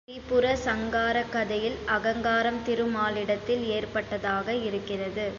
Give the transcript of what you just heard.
திரிபுர சங்காரக் கதையில் அகங்காரம் திருமாலிடத்தில் ஏற்பட்டதாக இருக்கிறது.